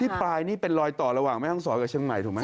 ปลายนี่เป็นรอยต่อระหว่างแม่ห้องศรกับเชียงใหม่ถูกไหม